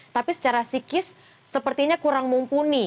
tapi secara psikis sepertinya kurang mumpuni